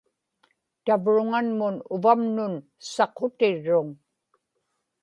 tavruŋanmun uvamnun saqutirruŋ